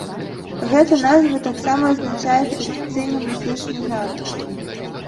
Гэта назва таксама азначае традыцыйны музычны жанр.